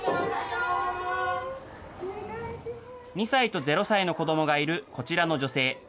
２歳と０歳の子どもがいるこちらの女性。